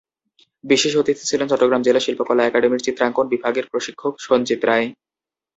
বিশেষ অতিথি ছিলেন চট্টগ্রাম জেলা শিল্পকলা একাডেমীর চিত্রাঙ্কন বিভাগের প্রশিক্ষক সঞ্জিত রায়।